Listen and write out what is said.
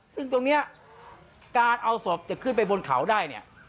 ซึ่งตรงนี้การเอาศพจะขึ้นไปบนเขาได้เนี่ย